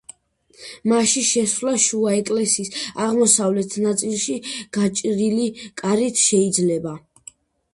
მასში შესვლა შუა ეკლესიის აღმოსავლეთ ნაწილში გაჭრილი კარით შეიძლება.